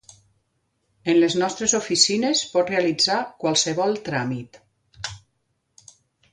En les nostres oficines pot realitzar qualsevol tràmit.